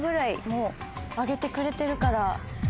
挙げてくれてるから。